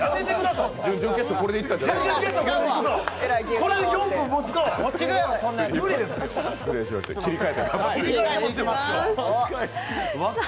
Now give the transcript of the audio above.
準々決勝、これでいったんじゃないんですか？